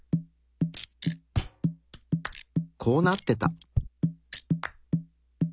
こうなってた。